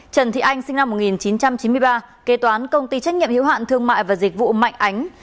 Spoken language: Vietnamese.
trần thị anh sinh năm một nghìn chín trăm chín mươi ba kế toán công ty trách nhiệm hiếu hạn thương mại và dịch vụ mạnh ánh